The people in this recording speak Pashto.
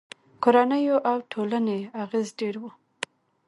کورنیو او ټولنې اغېز ډېر و.